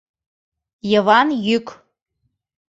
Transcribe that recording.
Йыван йӱк.